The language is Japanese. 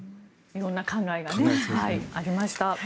色んな考えがありました。